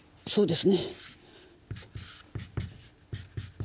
そうですね。